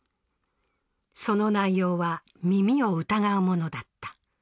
その内容は耳を疑うものだった。